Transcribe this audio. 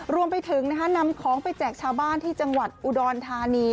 รวมไปถึงนำของไปแจกชาวบ้านที่จังหวัดอุดรธานี